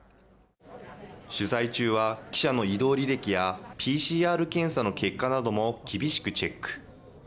取材中は記者の移動履歴やＰＣＲ検査の結果なども厳しくチェック。